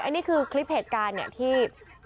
อันนี้คือคลิปเหตุการณ์เนี่ยที่